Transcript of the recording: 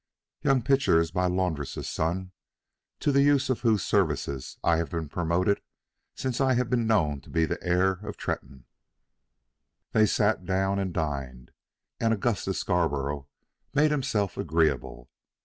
Young Pitcher is my laundress's son to the use of whose services I have been promoted since I have been known to be the heir of Tretton." Then they sat down and dined, and Augustus Scarborough made himself agreeable.